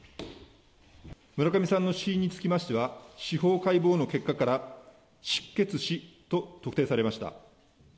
村上さんの死因につきましては、司法解剖の結果から失血死と特定されました。